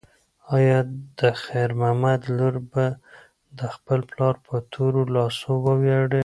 ایا د خیر محمد لور به د خپل پلار په تورو لاسو وویاړي؟